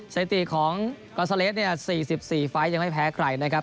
สถิติของกอซาเลสเนี่ย๔๔ไฟล์ยังไม่แพ้ใครนะครับ